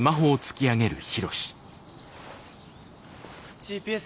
ＧＰＳ